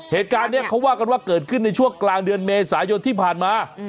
เหตุการณ์นี้เขาว่ากันว่าเกิดขึ้นในช่วงกลางเดือนเมษายนที่ผ่านมา